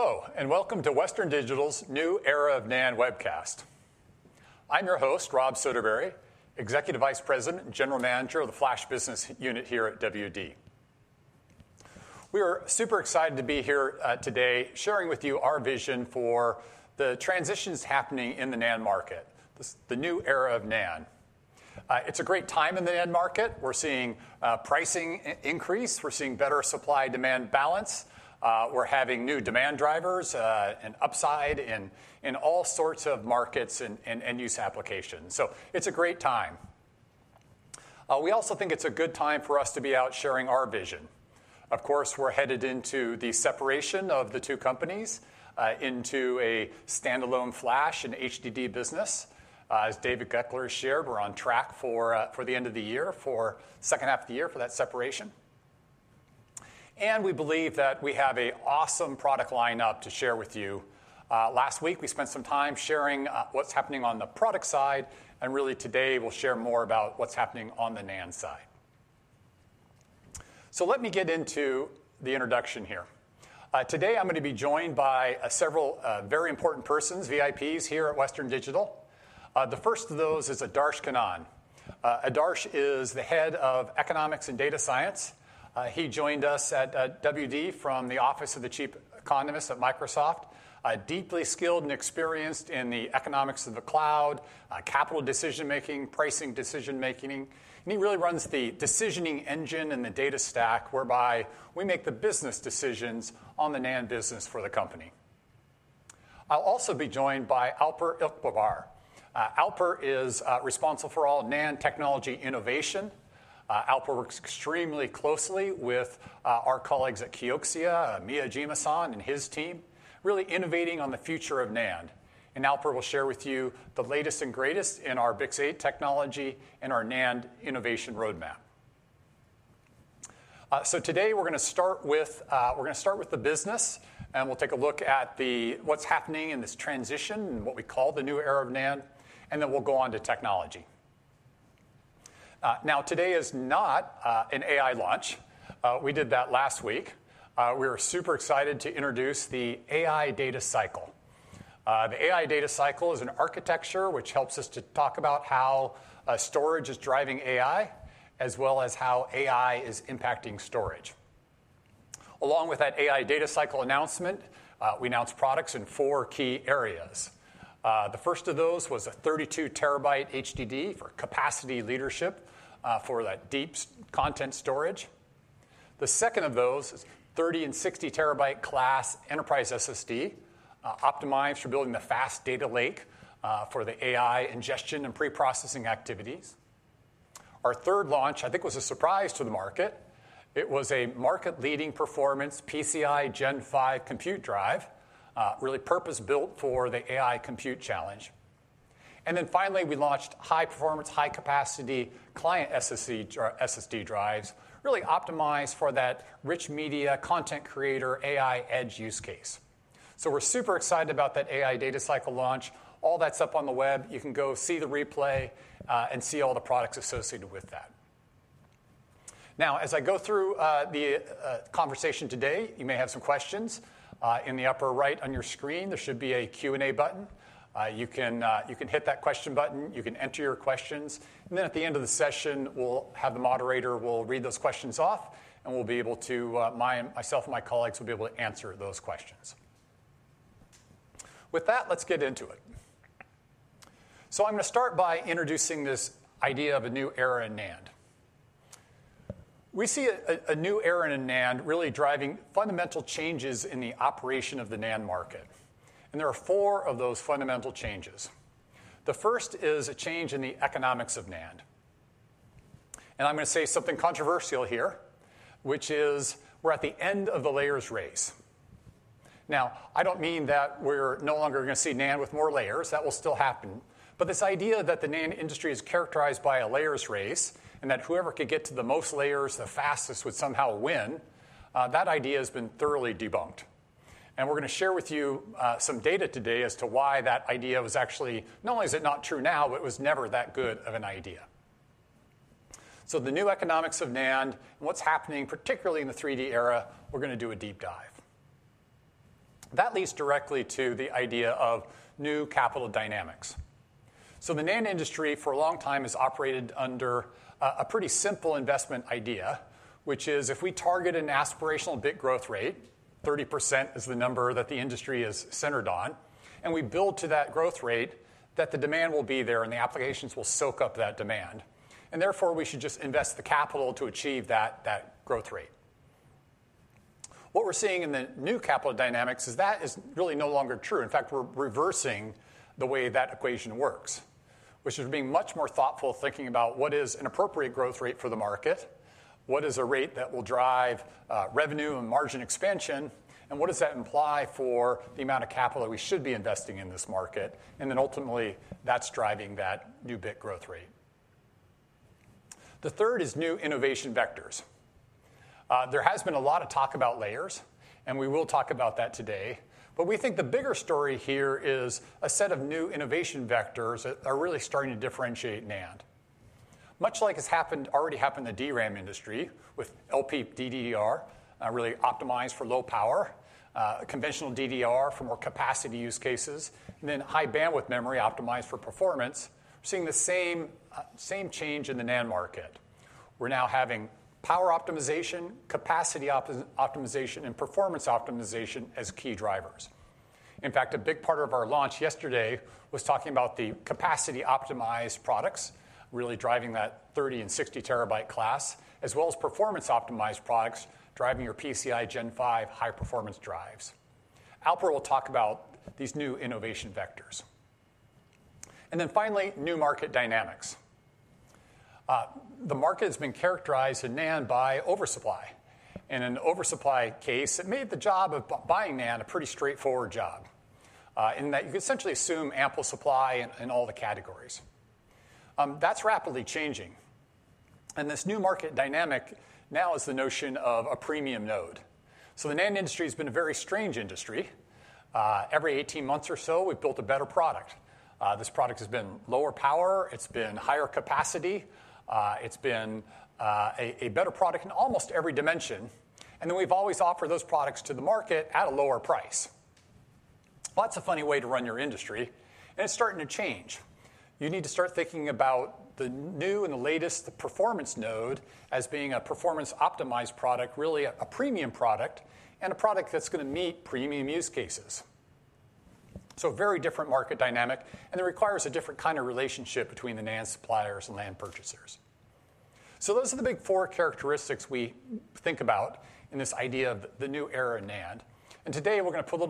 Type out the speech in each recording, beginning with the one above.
Hello, and welcome to Western Digital's New Era of NAND webcast. I'm your host, Rob Soderbery, Executive Vice President and General Manager of the Flash Business Unit here at WD. We are super excited to be here today, sharing with you our vision for the transitions happening in the NAND market, the new era of NAND. It's a great time in the NAND market. We're seeing pricing increase, we're seeing better supply-demand balance, we're having new demand drivers, and upside in all sorts of markets and end-use applications. So it's a great time. We also think it's a good time for us to be out sharing our vision. Of course, we're headed into the separation of the two companies into a standalone flash and HDD business. As David Goeckeler shared, we're on track for the end of the year, for second half of the year, for that separation. We believe that we have an awesome product lineup to share with you. Last week, we spent some time sharing what's happening on the product side, and really today we'll share more about what's happening on the NAND side. Let me get into the introduction here. Today I'm going to be joined by several very important persons, VIPs, here at Western Digital. The first of those is Aadharsh Kannan. Aadharsh is the head of Economics and Data Science. He joined us at WD from the Office of the Chief Economist at Microsoft. Deeply skilled and experienced in the economics of the cloud, capital decision-making, pricing decision-making, and he really runs the decisioning engine and the data stack, whereby we make the business decisions on the NAND business for the company. I'll also be joined by Alper Ilkbahar. Alper is responsible for all NAND technology innovation. Alper works extremely closely with our colleagues at Kioxia, Miyajima-san and his team, really innovating on the future of NAND. Alper will share with you the latest and greatest in our BiCS8 technology and our NAND innovation roadmap. So today we're going to start with the business, and we'll take a look at what's happening in this transition and what we call the new era of NAND, and then we'll go on to technology. Now, today is not an AI launch. We did that last week. We were super excited to introduce the AI Data Cycle. The AI Data Cycle is an architecture which helps us to talk about how storage is driving AI, as well as how AI is impacting storage. Along with that AI Data Cycle announcement, we announced products in four key areas. The first of those was a 32 TB HDD for capacity leadership for that deep content storage. The second of those is 30TB and 60TB class enterprise SSD optimized for building the fast data lake for the AI ingestion and preprocessing activities. Our third launch, I think, was a surprise to the market. It was a market-leading performance, PCIe Gen 5 compute drive really purpose-built for the AI compute challenge. And then finally, we launched high-performance, high-capacity client SSD drives, really optimized for that rich media, content creator, AI edge use case. So we're super excited about that AI Data Cycle launch. All that's up on the web. You can go see the replay and see all the products associated with that. Now, as I go through the conversation today, you may have some questions. In the upper right on your screen, there should be a Q&A button. You can hit that question button, you can enter your questions, and then at the end of the session, the moderator will read those questions off, and myself and my colleagues will be able to answer those questions. With that, let's get into it. So I'm going to start by introducing this idea of a new era in NAND. We see a new era in NAND really driving fundamental changes in the operation of the NAND market, and there are four of those fundamental changes. The first is a change in the economics of NAND. And I'm going to say something controversial here, which is we're at the end of the layers race. Now, I don't mean that we're no longer going to see NAND with more layers. That will still happen. But this idea that the NAND industry is characterized by a layers race, and that whoever could get to the most layers the fastest would somehow win, that idea has been thoroughly debunked. We're going to share with you some data today as to why that idea was actually not only is it not true now, but it was never that good of an idea. So the new economics of NAND, and what's happening, particularly in the 3D era, we're going to do a deep dive. That leads directly to the idea of new capital dynamics. So the NAND industry, for a long time, has operated under a pretty simple investment idea, which is if we target an aspirational bit growth rate, 30% is the number that the industry is centered on, and we build to that growth rate, that the demand will be there and the applications will soak up that demand, and therefore, we should just invest the capital to achieve that growth rate. What we're seeing in the new capital dynamics is that really no longer true. In fact, we're reversing the way that equation works, which is being much more thoughtful, thinking about what is an appropriate growth rate for the market? What is a rate that will drive revenue and margin expansion? And what does that imply for the amount of capital that we should be investing in this market? And then ultimately, that's driving that new bit growth rate. The third is new innovation vectors. There has been a lot of talk about layers, and we will talk about that today, but we think the bigger story here is a set of new innovation vectors that are really starting to differentiate NAND.... Much like has happened, already happened in the DRAM industry with LPDDR, really optimized for low power, conventional DDR for more capacity use cases, and then high bandwidth memory optimized for performance, we're seeing the same, same change in the NAND market. We're now having power optimization, capacity optimization, and performance optimization as key drivers. In fact, a big part of our launch yesterday was talking about the capacity-optimized products, really driving that 30- and 60TB class, as well as performance-optimized products, driving your PCIe Gen 5 high-performance drives. Alper will talk about these new innovation vectors. Then finally, new market dynamics. The market has been characterized in NAND by oversupply. In an oversupply case, it made the job of buying NAND a pretty straightforward job, in that you could essentially assume ample supply in all the categories. That's rapidly changing, and this new market dynamic now is the notion of a premium node. So the NAND industry has been a very strange industry. Every 18 months or so, we've built a better product. This product has been lower power, it's been higher capacity, it's been a better product in almost every dimension, and then we've always offered those products to the market at a lower price. Well, that's a funny way to run your industry, and it's starting to change. You need to start thinking about the new and the latest, the performance node, as being a performance-optimized product, really a premium product, and a product that's going to meet premium use cases. So a very different market dynamic, and it requires a different kind of relationship between the NAND suppliers and NAND purchasers. So those are the big four characteristics we think about in this idea of the new era in NAND, and today we're going to put a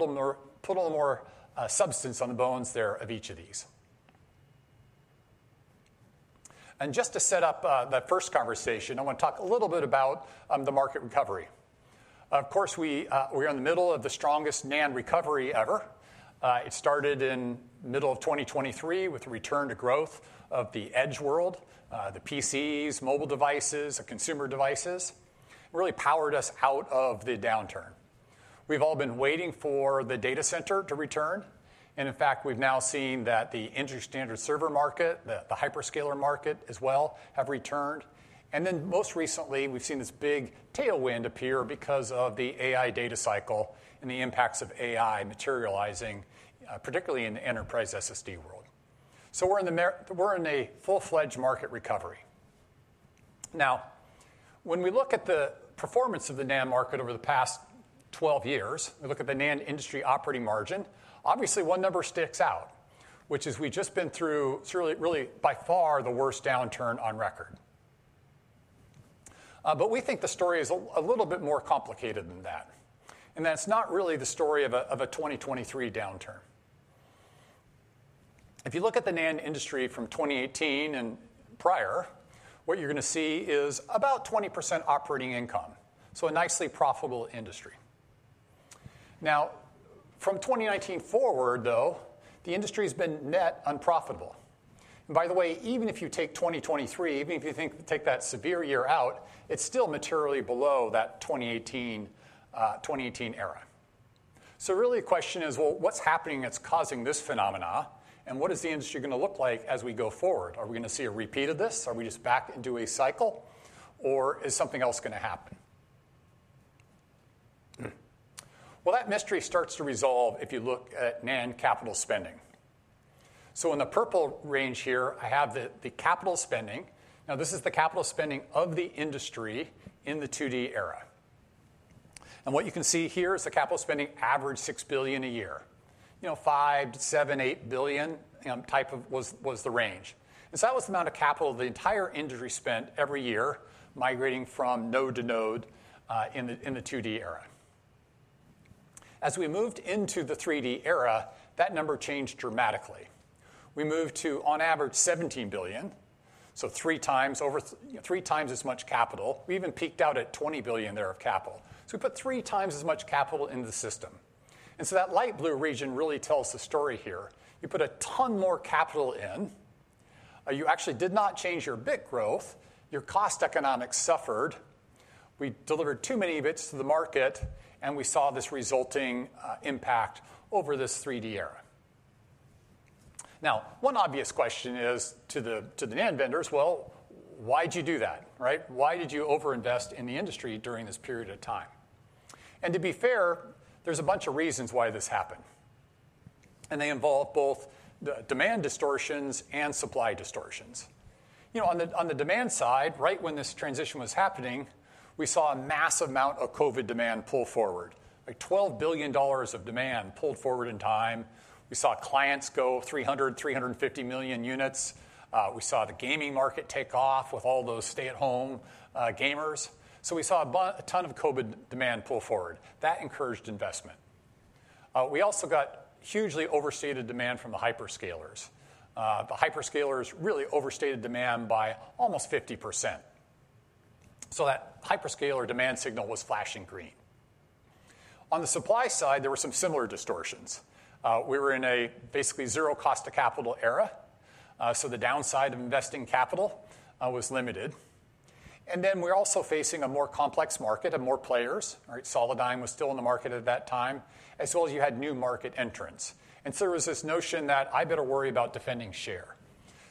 little more substance on the bones there of each of these. And just to set up that first conversation, I want to talk a little bit about the market recovery. Of course, we're in the middle of the strongest NAND recovery ever. It started in middle of 2023 with a return to growth of the edge world. The PCs, mobile devices, the consumer devices, really powered us out of the downturn. We've all been waiting for the data center to return, and in fact, we've now seen that the entry standard server market, the hyperscaler market as well, have returned. And then, most recently, we've seen this big tailwind appear because of the AI Data Cycle and the impacts of AI materializing, particularly in the enterprise SSD world. So we're in a full-fledged market recovery. Now, when we look at the performance of the NAND market over the past 12 years, we look at the NAND industry operating margin, obviously, one number sticks out, which is we've just been through really, really by far, the worst downturn on record. But we think the story is a little bit more complicated than that, and that's not really the story of a 2023 downturn. If you look at the NAND industry from 2018 and prior, what you're going to see is about 20% operating income, so a nicely profitable industry. Now, from 2019 forward, though, the industry's been net unprofitable. And by the way, even if you take 2023, even if you take that severe year out, it's still materially below that 2018, 2018 era. So really the question is, well, what's happening that's causing this phenomena, and what is the industry going to look like as we go forward? Are we going to see a repeat of this? Are we just back into a cycle, or is something else going to happen? Hmm. Well, that mystery starts to resolve if you look at NAND capital spending. So in the purple range here, I have the capital spending. Now, this is the capital spending of the industry in the 2D era. And what you can see here is the capital spending averaged $6 billion a year. You know, $5-$8 billion was the range. And so that was the amount of capital the entire industry spent every year migrating from node to node in the 2D era. As we moved into the 3D era, that number changed dramatically. We moved to, on average, $17 billion, so three times over - three times as much capital. We even peaked out at $20 billion there of capital. So we put three times as much capital into the system, and so that light blue region really tells the story here. You put a ton more capital in, you actually did not change your bit growth, your cost economics suffered. We delivered too many bits to the market, and we saw this resulting impact over this 3D era. Now, one obvious question is to the NAND vendors: Well, why'd you do that, right? Why did you overinvest in the industry during this period of time? And to be fair, there's a bunch of reasons why this happened, and they involve both the demand distortions and supply distortions. You know, on the demand side, right when this transition was happening, we saw a massive amount of COVID demand pull forward. Like $12 billion of demand pulled forward in time. We saw clients go 300-350 million units. We saw the gaming market take off with all those stay-at-home gamers. So we saw a ton of COVID demand pull forward. That encouraged investment. We also got hugely overstated demand from the hyperscalers. The hyperscalers really overstated demand by almost 50%. So that hyperscaler demand signal was flashing green. On the supply side, there were some similar distortions. We were in a basically zero cost to capital era, so the downside of investing capital was limited. And then we're also facing a more complex market and more players, right? Solidigm was still in the market at that time, as well as you had new market entrants. And so there was this notion that I better worry about defending share.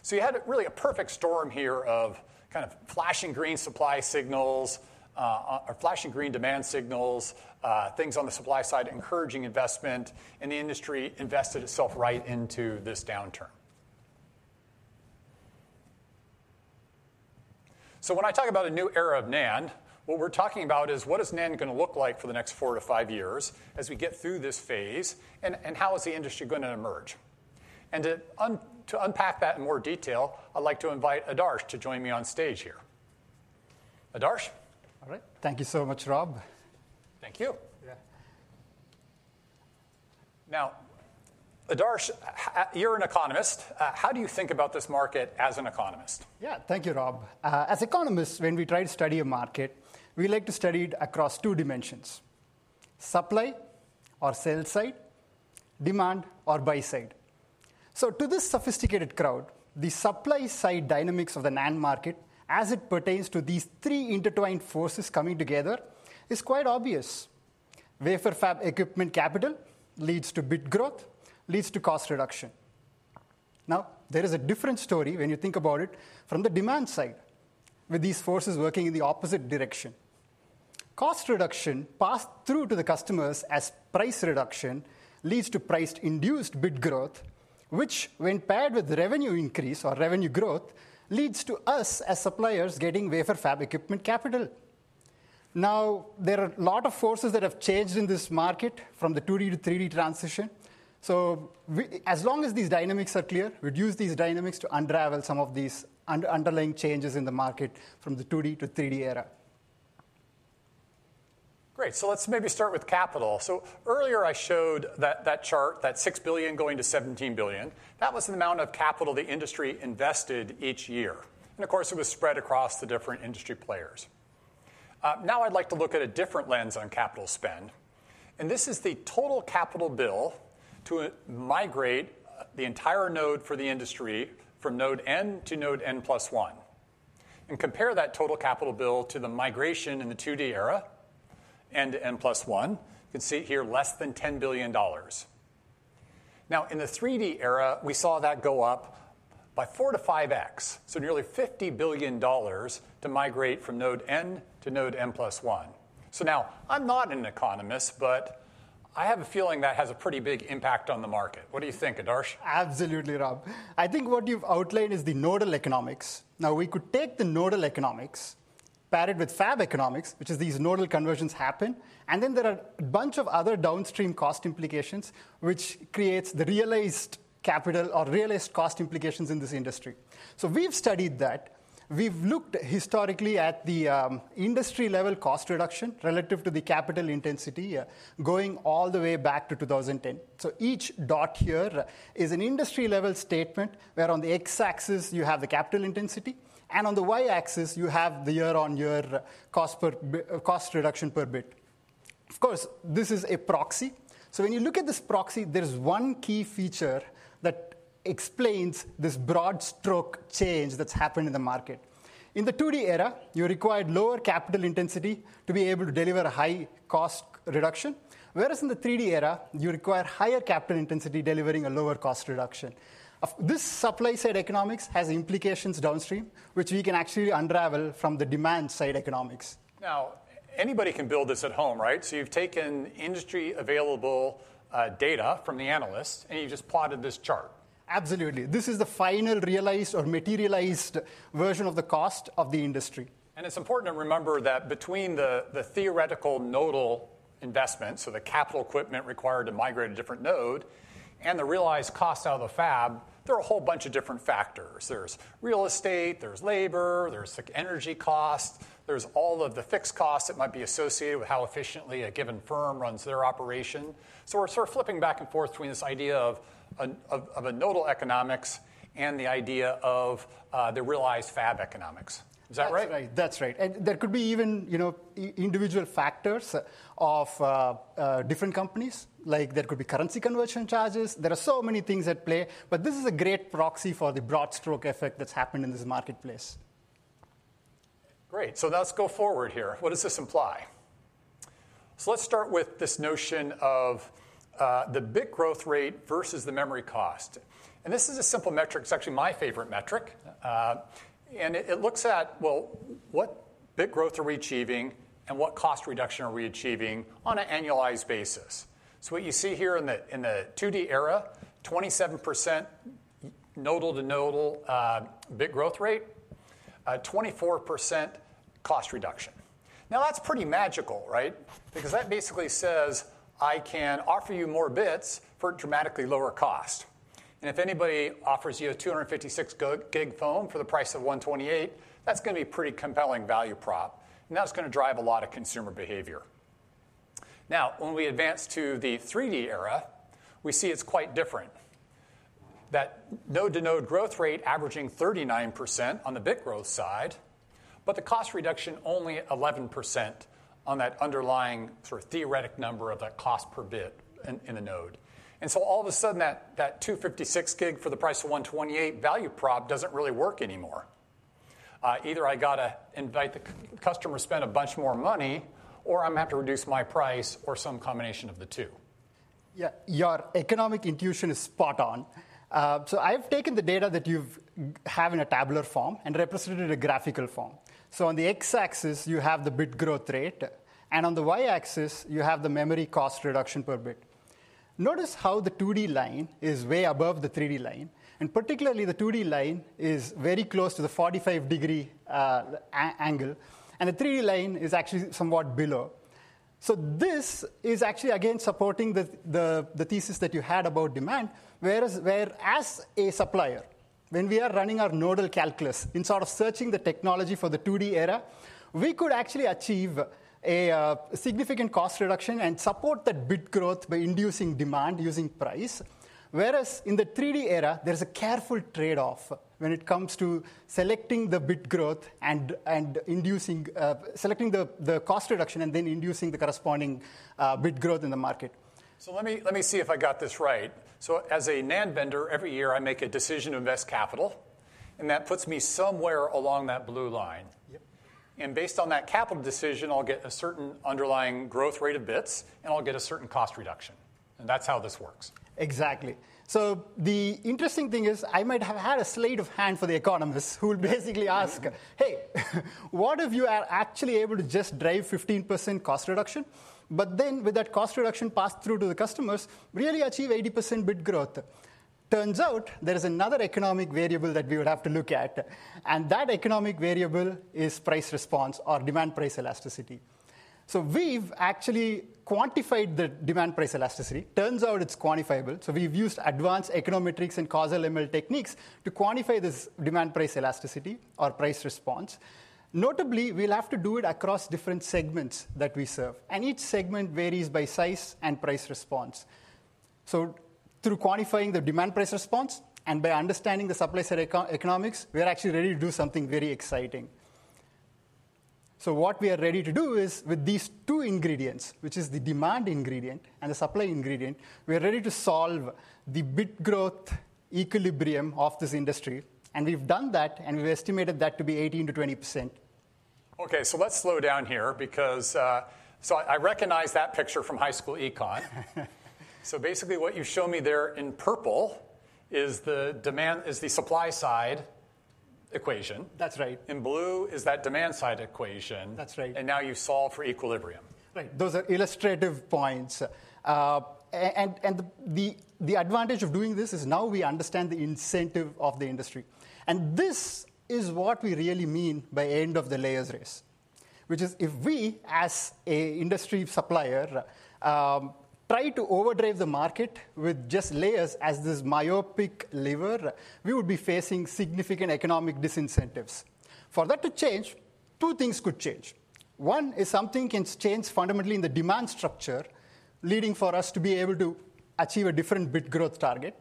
So you had really a perfect storm here of kind of flashing green supply signals, or flashing green demand signals, things on the supply side encouraging investment, and the industry invested itself right into this downturn. So when I talk about a new era of NAND, what we're talking about is: What is NAND going to look like for the next 4-5 years as we get through this phase, and how is the industry going to emerge? And to unpack that in more detail, I'd like to invite Aadharsh to join me on stage here. Aadharsh? All right. Thank you so much, Rob. Thank you. Yeah. Now, Aadharsh, you're an economist. How do you think about this market as an economist? Yeah. Thank you, Rob. As economists, when we try to study a market, we like to study it across two dimensions: supply or sell side, demand or buy side. So to this sophisticated crowd, the supply side dynamics of the NAND market, as it pertains to these three intertwined forces coming together, is quite obvious. Wafer fab equipment capital leads to bit growth, leads to cost reduction. Now, there is a different story when you think about it from the demand side, with these forces working in the opposite direction. Cost reduction passed through to the customers as price reduction leads to price-induced bit growth, which, when paired with revenue increase or revenue growth, leads to us as suppliers getting wafer fab equipment capital. Now, there are a lot of forces that have changed in this market from the 2D to 3D transition. So as long as these dynamics are clear, we'd use these dynamics to unravel some of these underlying changes in the market from the 2D to 3D era. Great. So let's maybe start with capital. So earlier I showed that, that chart, that $6 billion going to $17 billion. That was the amount of capital the industry invested each year, and of course, it was spread across the different industry players. Now I'd like to look at a different lens on capital spend, and this is the total capital bill to migrate the entire node for the industry from node N to node N+1, and compare that total capital bill to the migration in the 2D era, N to N+1. You can see it here, less than $10 billion. Now, in the 3D era, we saw that go up by 4x-5x, so nearly $50 billion to migrate from node N to node N+1. So now, I'm not an economist, but I have a feeling that has a pretty big impact on the market. What do you think, Aadharsh? Absolutely, Rob. I think what you've outlined is the nodal economics. Now, we could take the nodal economics, pair it with fab economics, which is these nodal conversions happen, and then there are a bunch of other downstream cost implications, which creates the realized capital or realized cost implications in this industry. So we've studied that. We've looked historically at the industry-level cost reduction relative to the capital intensity, going all the way back to 2010. So each dot here is an industry-level statement, where on the X-axis you have the capital intensity, and on the Y-axis you have the year-on-year cost reduction per bit. Of course, this is a proxy, so when you look at this proxy, there's one key feature that explains this broad stroke change that's happened in the market. In the 2D era, you required lower capital intensity to be able to deliver a high cost reduction, whereas in the 3D era, you require higher capital intensity, delivering a lower cost reduction. Of this supply side economics has implications downstream, which we can actually unravel from the demand side economics. Now, anybody can build this at home, right? So you've taken industry available, data from the analysts, and you've just plotted this chart. Absolutely. This is the final realized or materialized version of the cost of the industry. It's important to remember that between the theoretical nodal investment, so the capital equipment required to migrate a different node, and the realized cost out of the fab, there are a whole bunch of different factors. There's real estate, there's labor, there's like energy cost, there's all of the fixed costs that might be associated with how efficiently a given firm runs their operation. So we're sort of flipping back and forth between this idea of a nodal economics and the idea of the realized fab economics. Is that right? That's right. That's right. And there could be even, you know, individual factors of different companies, like there could be currency conversion charges. There are so many things at play, but this is a great proxy for the broad stroke effect that's happened in this marketplace. Great. So let's go forward here. What does this imply? So let's start with this notion of the bit growth rate versus the memory cost. And this is a simple metric. It's actually my favorite metric. And it looks at, well, what bit growth are we achieving and what cost reduction are we achieving on an annualized basis? So what you see here in the 2D era, 27% nodal to nodal bit growth rate, a 24% cost reduction. Now, that's pretty magical, right? Because that basically says: I can offer you more bits for dramatically lower cost, and if anybody offers you a 256 gig phone for the price of 128, that's going to be a pretty compelling value prop, and that's going to drive a lot of consumer behavior. Now, when we advance to the 3D era, we see it's quite different. That node-to-node growth rate averaging 39% on the bit growth side, but the cost reduction only 11% on that underlying sort of theoretic number of that cost per bit in the node. And so all of a sudden, that 256 gig for the price of 128 value prop doesn't really work anymore. Either I got to invite the customer to spend a bunch more money, or I'm going to have to reduce my price or some combination of the two. Yeah, your economic intuition is spot on. So I've taken the data that you have in a tabular form and represented it in a graphical form. So on the X-axis, you have the bit growth rate, and on the Y-axis, you have the memory cost reduction per bit. Notice how the 2D line is way above the 3D line, and particularly the 2D line is very close to the 45-degree angle, and the 3D line is actually somewhat below. So this is actually again supporting the thesis that you had about demand, whereas as a supplier, when we are running our nodal calculus in sort of searching the technology for the 2D era, we could actually achieve a significant cost reduction and support that bit growth by inducing demand using price. Whereas in the 3D era, there is a careful trade-off when it comes to selecting the cost reduction and then inducing the corresponding bit growth in the market. So let me, let me see if I got this right. So as a NAND vendor, every year, I make a decision to invest capital, and that puts me somewhere along that blue line. Yep. Based on that capital decision, I'll get a certain underlying growth rate of bits, and I'll get a certain cost reduction. That's how this works. Exactly. So the interesting thing is, I might have had a sleight of hand for the economists who will basically ask: Hey, what if you are actually able to just drive 15% cost reduction, but then with that cost reduction passed through to the customers, really achieve 80% bit growth? Turns out there is another economic variable that we would have to look at, and that economic variable is price response or demand price elasticity. So we've actually quantified the demand price elasticity. Turns out it's quantifiable, so we've used advanced econometrics and causal ML techniques to quantify this demand price elasticity or price response. Notably, we'll have to do it across different segments that we serve, and each segment varies by size and price response. So through quantifying the demand price response and by understanding the supply-side eco- economics, we are actually ready to do something very exciting. So what we are ready to do is, with these two ingredients, which is the demand ingredient and the supply ingredient, we are ready to solve the bit growth equilibrium of this industry, and we've done that, and we've estimated that to be 18%-20%. Okay, so let's slow down here because so I recognize that picture from high school econ. So basically, what you show me there in purple is the supply side equation. That's right. In blue is that demand side equation. That's right. Now you solve for equilibrium. Right. Those are illustrative points. And the advantage of doing this is now we understand the incentive of the industry, and this is what we really mean by end of the layers race. Which is if we, as an industry supplier, try to overdrive the market with just layers as this myopic lever, we would be facing significant economic disincentives. For that to change, two things could change. One is something can change fundamentally in the demand structure, leading for us to be able to achieve a different bit growth target,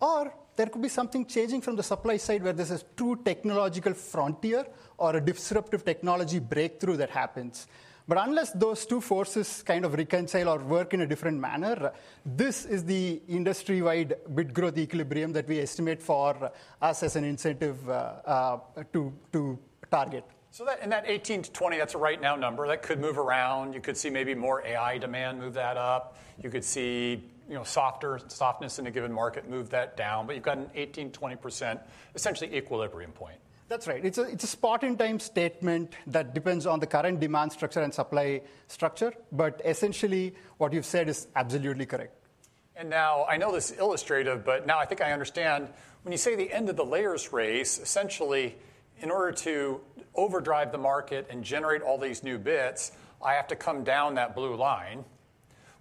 or there could be something changing from the supply side, where there's a true technological frontier or a disruptive technology breakthrough that happens. But unless those two forces kind of reconcile or work in a different manner, this is the industry-wide bit growth equilibrium that we estimate for us as an incentive to target. So that, and that 18-20, that's a right-now number that could move around. You could see maybe more AI demand move that up. You could see, you know, softness in a given market move that down, but you've got an 18%-20%, essentially equilibrium point. That's right. It's a point-in-time statement that depends on the current demand structure and supply structure, but essentially, what you've said is absolutely correct. And now I know this is illustrative, but now I think I understand. When you say the end of the layers race, essentially, in order to overdrive the market and generate all these new bits, I have to come down that blue line,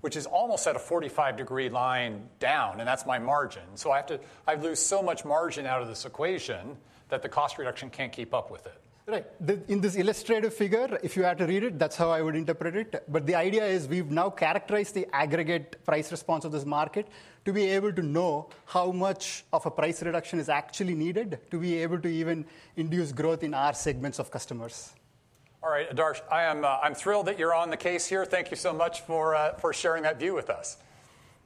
which is almost at a 45-degree line down, and that's my margin. So I have to—I lose so much margin out of this equation that the cost reduction can't keep up with it. Right. In this illustrative figure, if you had to read it, that's how I would interpret it. But the idea is we've now characterized the aggregate price response of this market to be able to know how much of a price reduction is actually needed to be able to even induce growth in our segments of customers. All right, Aadharsh, I am, I'm thrilled that you're on the case here. Thank you so much for, for sharing that view with us.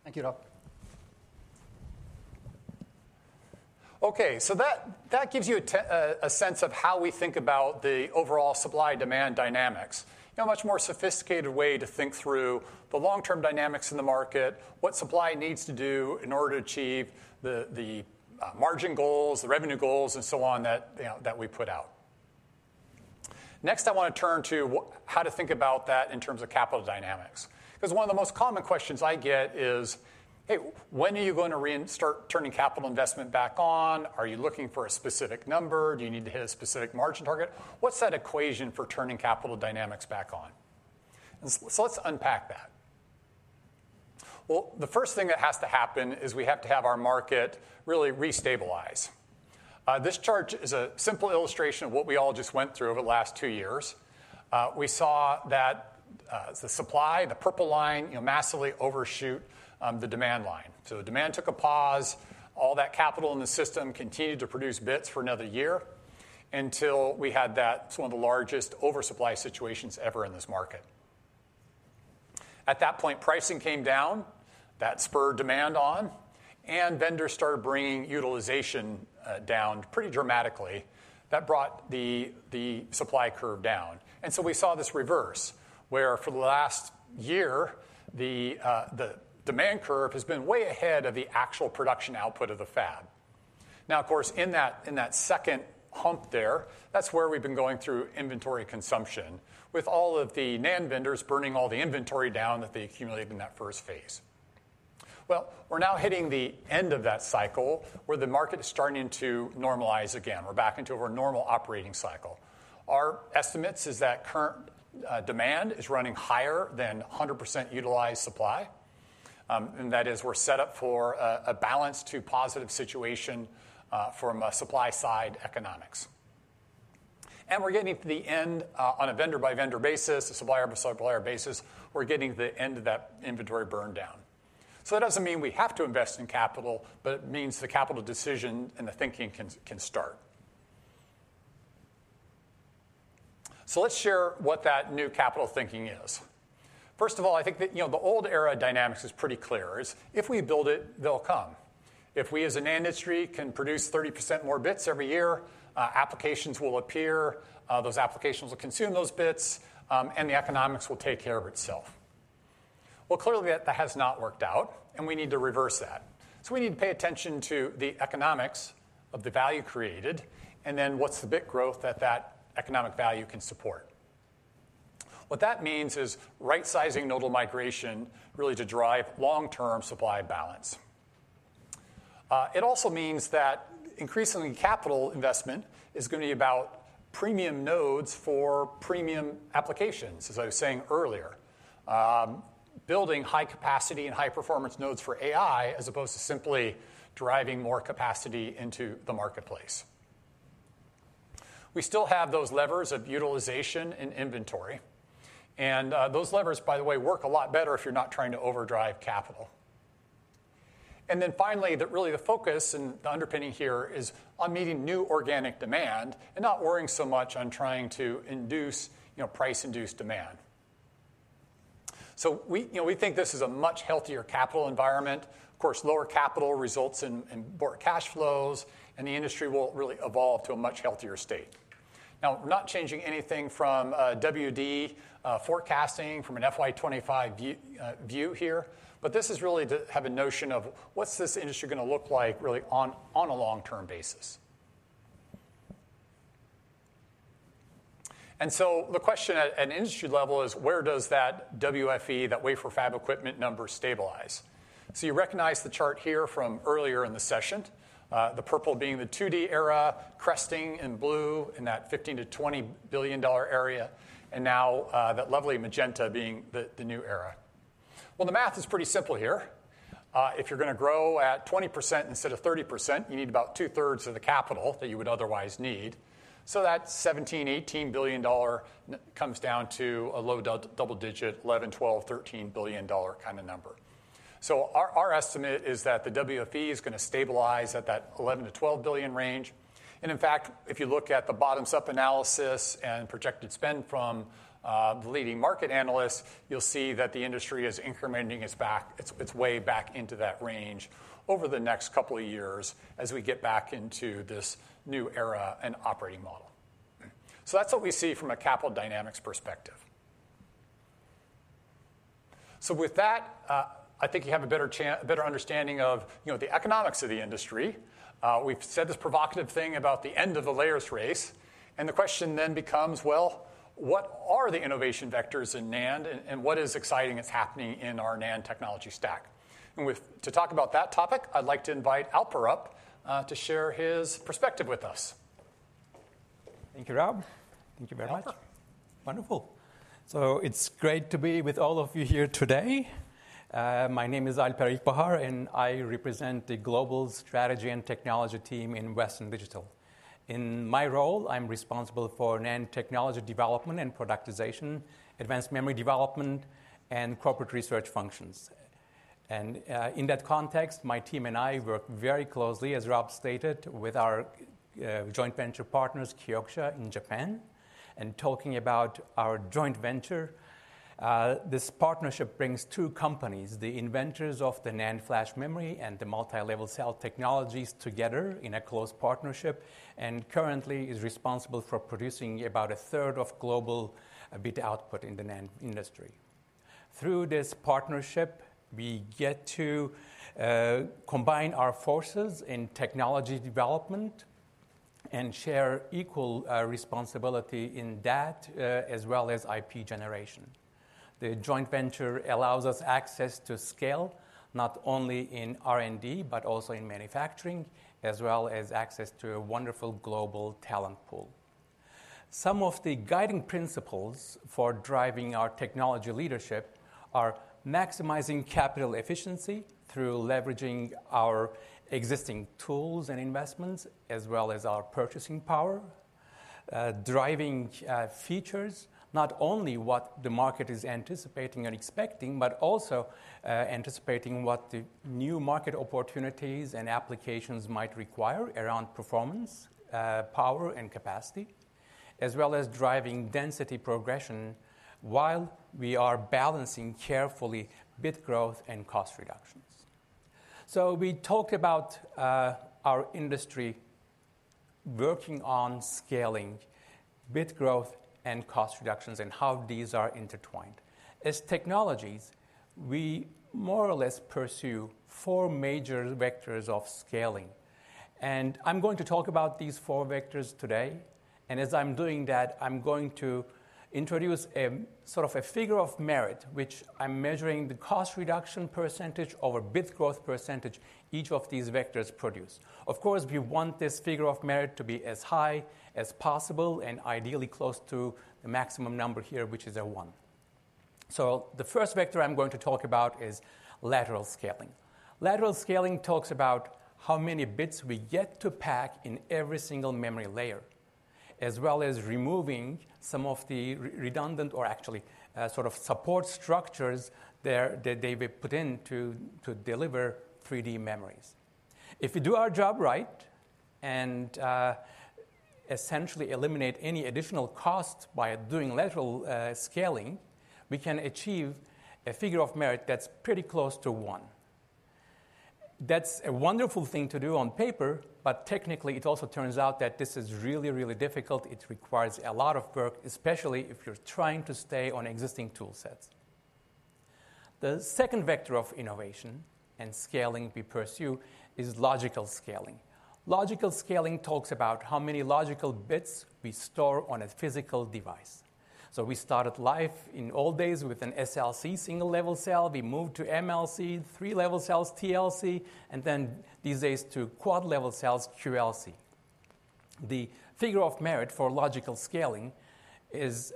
Thank you, Rob. Okay, so that gives you a sense of how we think about the overall supply-demand dynamics. In a much more sophisticated way to think through the long-term dynamics in the market, what supply needs to do in order to achieve the margin goals, the revenue goals, and so on, that, you know, that we put out. Next, I want to turn to how to think about that in terms of capital dynamics. Because one of the most common questions I get is, "Hey, when are you going to start turning capital investment back on? Are you looking for a specific number? Do you need to hit a specific margin target? What's that equation for turning capital dynamics back on?" So let's unpack that. Well, the first thing that has to happen is we have to have our market really restabilize. This chart is a simple illustration of what we all just went through over the last two years. We saw that the supply, the purple line, you know, massively overshoot the demand line. So the demand took a pause. All that capital in the system continued to produce bits for another year until we had that, one of the largest oversupply situations ever in this market. At that point, pricing came down. That spurred demand on, and vendors started bringing utilization down pretty dramatically. That brought the supply curve down. And so we saw this reverse, where for the last year, the demand curve has been way ahead of the actual production output of the fab. Now, of course, in that, in that second hump there, that's where we've been going through inventory consumption, with all of the NAND vendors burning all the inventory down that they accumulated in that first phase. Well, we're now hitting the end of that cycle, where the market is starting to normalize again. We're back into our normal operating cycle. Our estimates is that current, demand is running higher than 100% utilized supply. And that is, we're set up for a, a balance to positive situation, from a supply-side economics. And we're getting to the end, on a vendor-by-vendor basis, a supplier-by-supplier basis, we're getting to the end of that inventory burn down. So it doesn't mean we have to invest in capital, but it means the capital decision and the thinking can, can start. So let's share what that new capital thinking is. First of all, I think that, you know, the old era dynamics is pretty clear. It's if we build it, they'll come. If we, as a NAND industry, can produce 30% more bits every year, applications will appear, those applications will consume those bits, and the economics will take care of itself. Well, clearly, that has not worked out, and we need to reverse that. So we need to pay attention to the economics of the value created, and then what's the bit growth that that economic value can support? What that means is right-sizing nodal migration, really to drive long-term supply balance. It also means that increasingly capital investment is going to be about premium nodes for premium applications, as I was saying earlier. Building high capacity and high-performance nodes for AI, as opposed to simply driving more capacity into the marketplace. We still have those levers of utilization and inventory, and those levers, by the way, work a lot better if you're not trying to overdrive capital. And then finally, the really, the focus and the underpinning here is on meeting new organic demand and not worrying so much on trying to induce, you know, price-induced demand. So we, you know, we think this is a much healthier capital environment. Of course, lower capital results in more cash flows, and the industry will really evolve to a much healthier state. Now, we're not changing anything from WD forecasting from an FY 2025 view here, but this is really to have a notion of what's this industry going to look like really on a long-term basis. And so the question at an industry level is: where does that WFE, that wafer fab equipment number, stabilize? So you recognize the chart here from earlier in the session, the purple being the 2D era, cresting in blue in that $15-$20 billion area, and now, that lovely magenta being the new era. Well, the math is pretty simple here. If you're going to grow at 20% instead of 30%, you need about two-thirds of the capital that you would otherwise need. So that $17-$18 billion comes down to a low double-digit, $11-$13 billion kind of number. So our estimate is that the WFE is going to stabilize at that $11-$12 billion range. And in fact, if you look at the bottom-up analysis and projected spend from the leading market analysts, you'll see that the industry is incrementing its way back into that range over the next couple of years as we get back into this new era and operating model. So that's what we see from a capital dynamics perspective. So with that, I think you have a better understanding of, you know, the economics of the industry. We've said this provocative thing about the end of the layers race, and the question then becomes: well, what are the innovation vectors in NAND, and what is exciting that's happening in our NAND technology stack? To talk about that topic, I'd like to invite Alper up to share his perspective with us. Thank you, Rob. Thank you very much. Alper. Wonderful. So it's great to be with all of you here today. My name is Alper Ilkbahar, and I represent the Global Strategy and Technology team in Western Digital. In my role, I'm responsible for NAND technology development and productization, advanced memory development, and corporate research functions. And, in that context, my team and I work very closely, as Rob stated, with our joint venture partners, Kioxia, in Japan. And talking about our joint venture, this partnership brings two companies, the inventors of the NAND flash memory and the multi-level cell technologies, together in a close partnership, and currently is responsible for producing about a third of global bit output in the NAND industry. Through this partnership, we get to combine our forces in technology development and share equal responsibility in that, as well as IP generation. The joint venture allows us access to scale, not only in R&D, but also in manufacturing, as well as access to a wonderful global talent pool. Some of the guiding principles for driving our technology leadership are maximizing capital efficiency through leveraging our existing tools and investments, as well as our purchasing power. Driving features, not only what the market is anticipating and expecting, but also, anticipating what the new market opportunities and applications might require around performance, power, and capacity, as well as driving density progression while we are balancing carefully bit growth and cost reductions. So we talk about our industry working on scaling bit growth and cost reductions and how these are intertwined. As technologies, we more or less pursue four major vectors of scaling, and I'm going to talk about these four vectors today. As I'm doing that, I'm going to introduce a sort of a figure of merit, which I'm measuring the cost reduction percentage over bit growth percentage each of these vectors produce. Of course, we want this figure of merit to be as high as possible and ideally close to the maximum number here, which is a 1. The first vector I'm going to talk about is lateral scaling. Lateral scaling talks about how many bits we get to pack in every single memory layer, as well as removing some of the redundant or actually, sort of support structures there that they were put in to deliver 3D memories. If we do our job right and essentially eliminate any additional cost by doing lateral scaling, we can achieve a figure of merit that's pretty close to 1. That's a wonderful thing to do on paper, but technically, it also turns out that this is really, really difficult. It requires a lot of work, especially if you're trying to stay on existing tool sets. The second vector of innovation and scaling we pursue is logical scaling. Logical scaling talks about how many logical bits we store on a physical device. So we started life in old days with an SLC, single-level cell, we moved to MLC, three-level cells, TLC, and then these days, to quad-level cells, QLC. The figure of merit for logical scaling is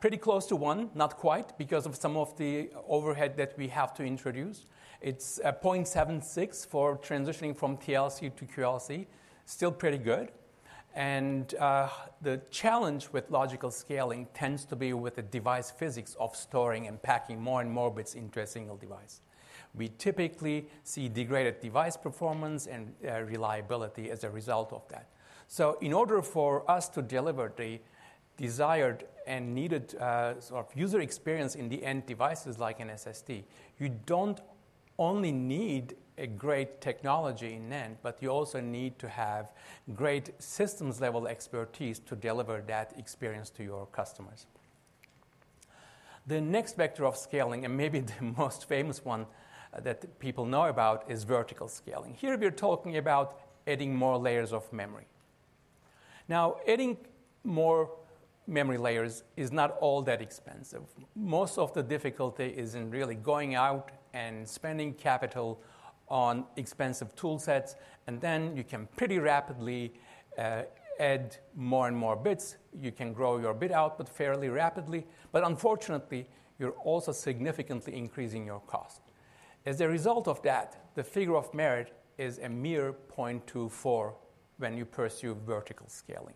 pretty close to 1, not quite, because of some of the overhead that we have to introduce. It's 0.76 for transitioning from TLC to QLC. Still pretty good. The challenge with logical scaling tends to be with the device physics of storing and packing more and more bits into a single device. We typically see degraded device performance and reliability as a result of that. So in order for us to deliver the desired and needed sort of user experience in the end devices like an SSD, you don't only need a great technology in the end, but you also need to have great systems-level expertise to deliver that experience to your customers. The next vector of scaling, and maybe the most famous one that people know about, is vertical scaling. Here we're talking about adding more layers of memory. Now, adding more memory layers is not all that expensive. Most of the difficulty is in really going out and spending capital on expensive tool sets, and then you can pretty rapidly add more and more bits. You can grow your bit output fairly rapidly, but unfortunately, you're also significantly increasing your cost. As a result of that, the figure of merit is a mere 0.24 when you pursue vertical scaling.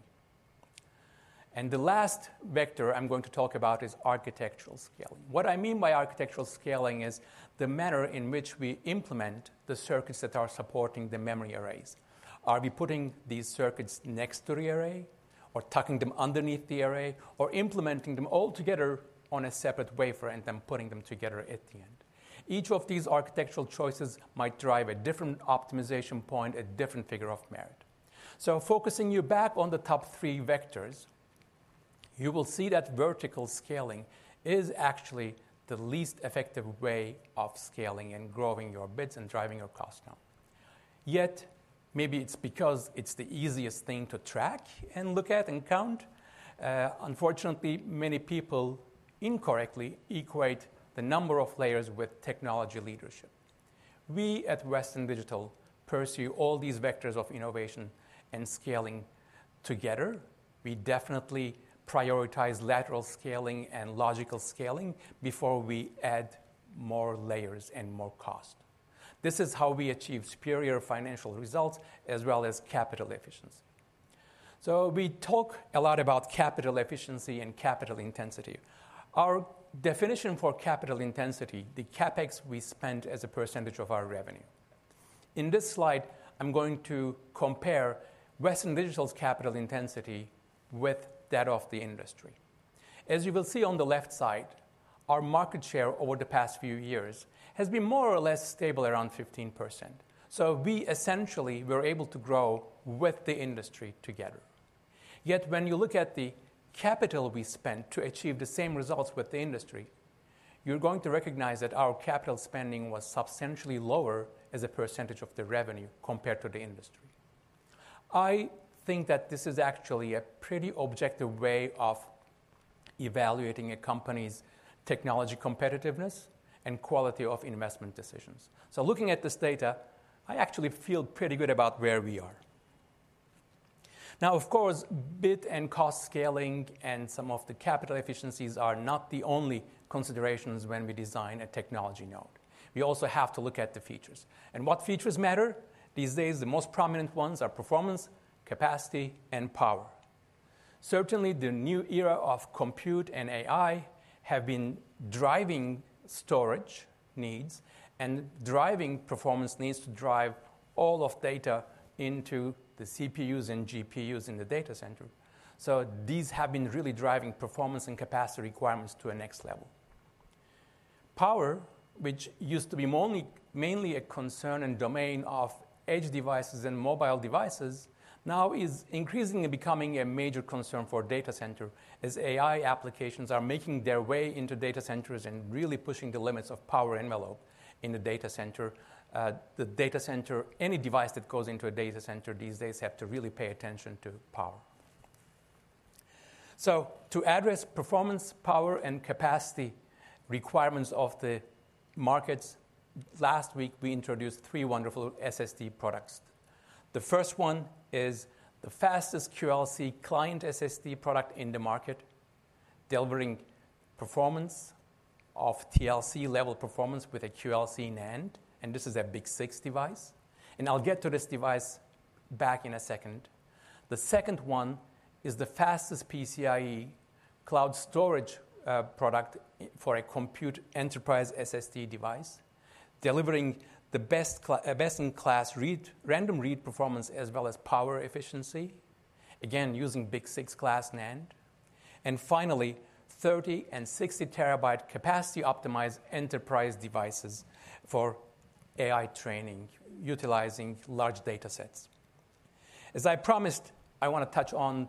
The last vector I'm going to talk about is architectural scaling. What I mean by architectural scaling is the manner in which we implement the circuits that are supporting the memory arrays. Are we putting these circuits next to the array, or tucking them underneath the array, or implementing them all together on a separate wafer and then putting them together at the end? Each of these architectural choices might drive a different optimization point, a different figure of merit. So focusing you back on the top three vectors, you will see that vertical scaling is actually the least effective way of scaling and growing your bits and driving your cost down. Yet, maybe it's because it's the easiest thing to track and look at and count, unfortunately, many people incorrectly equate the number of layers with technology leadership. We at Western Digital pursue all these vectors of innovation and scaling together. We definitely prioritize lateral scaling and logical scaling before we add more layers and more cost. This is how we achieve superior financial results, as well as capital efficiency. So we talk a lot about capital efficiency and capital intensity. Our definition for capital intensity, the CapEx we spend as a percentage of our revenue. In this slide, I'm going to compare Western Digital's capital intensity with that of the industry. As you will see on the left side, our market share over the past few years has been more or less stable, around 15%. So we essentially were able to grow with the industry together. Yet when you look at the capital we spent to achieve the same results with the industry, you're going to recognize that our capital spending was substantially lower as a percentage of the revenue compared to the industry. I think that this is actually a pretty objective way of evaluating a company's technology competitiveness and quality of investment decisions. So looking at this data, I actually feel pretty good about where we are. Now, of course, bit and cost scaling and some of the capital efficiencies are not the only considerations when we design a technology node. We also have to look at the features. And what features matter? These days, the most prominent ones are performance, capacity, and power. Certainly, the new era of compute and AI have been driving storage needs and driving performance needs to drive all of data into the CPUs and GPUs in the data center. So these have been really driving performance and capacity requirements to a next level. Power, which used to be mainly a concern and domain of edge devices and mobile devices, now is increasingly becoming a major concern for data center, as AI applications are making their way into data centers and really pushing the limits of power envelope in the data center. Any device that goes into a data center these days have to really pay attention to power. So to address performance, power, and capacity requirements of the markets, last week, we introduced three wonderful SSD products. The first one is the fastest QLC client SSD product in the market, delivering performance of TLC-level performance with a QLC NAND, and this is a BiCS6 device. I'll get to this device back in a second. The second one is the fastest PCIe cloud storage product for a compute enterprise SSD device, delivering the best-in-class random read performance as well as power efficiency, again, using BiCS6 class NAND. Finally, 30TB and 60TB capacity-optimized enterprise devices for AI training, utilizing large data sets. As I promised, I want to touch on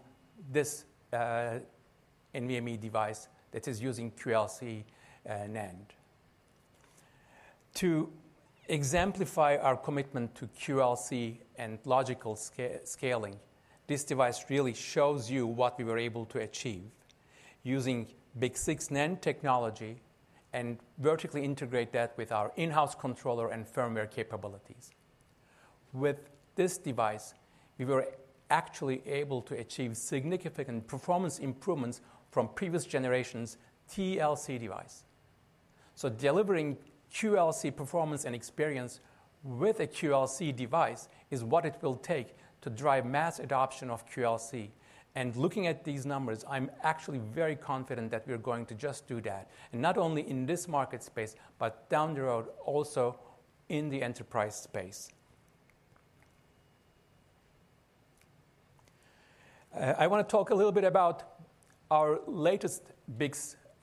this NVMe device that is using QLC NAND. To exemplify our commitment to QLC and logical scaling, this device really shows you what we were able to achieve using BiCS6 NAND technology and vertically integrate that with our in-house controller and firmware capabilities. With this device, we were actually able to achieve significant performance improvements from previous generations' TLC device. So delivering QLC performance and experience with a QLC device is what it will take to drive mass adoption of QLC. And looking at these numbers, I'm actually very confident that we're going to just do that, and not only in this market space, but down the road, also in the enterprise space. I want to talk a little bit about our latest